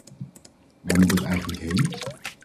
Waar moet dat eigenlijk heen?